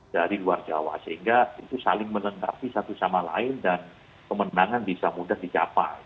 dari luar jawa sehingga itu saling melengkapi satu sama lain dan kemenangan bisa mudah dicapai